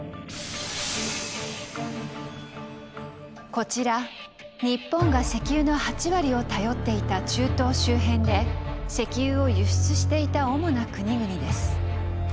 こちら日本が石油の８割を頼っていた中東周辺で石油を輸出していた主な国々です。